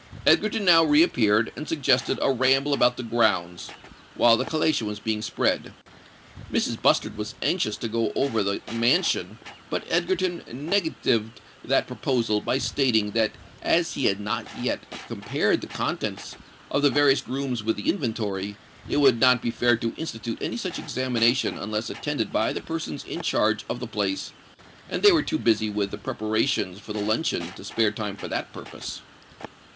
Egerton now re appeared, and suggested a ramble about the grounds, while the collation was being spread. Mrs. Bustard was anxious to go over the mansion; but Egerton negatived that proposal by stating that as he had not yet compared the contents of the various rooms with the inventory, it would not be fair to institute any such examination unless attended by the persons in charge of the place; and they were too busy with the preparations for the luncheon to spare time for that purpose.